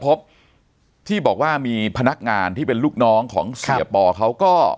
พบที่บอกว่ามีพนักงานที่เป็นลูกน้องของเสียปอเขาก็